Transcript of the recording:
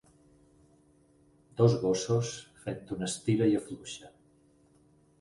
Dos gossos fent un estira i afluixa